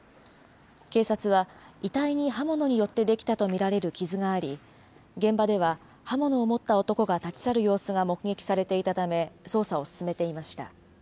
警察は遺体に刃物によって出来たと見られる傷があり、現場では、刃物を持った男が立ち去る様子が目撃されていたため、捜査を進めていました。